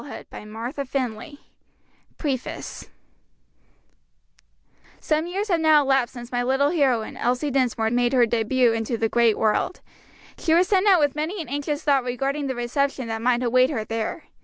THOUGHTS OF A RECLUSE PREFACE Some years have now elapsed since my little heroine "ELSIE DINSMORE" made her début into the great world. She was sent out with many an anxious thought regarding the reception that might await her there.